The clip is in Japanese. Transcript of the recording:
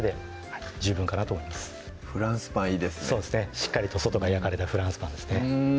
しっかりと外が焼かれたフランスパンですねうん